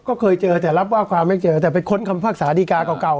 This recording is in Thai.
ก็เคยเจอแต่รับว่าความไม่เจอแต่ไปค้นคำภาษาดีกาเก่า